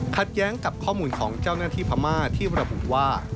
แย้งกับข้อมูลของเจ้าหน้าที่พม่าที่ระบุว่า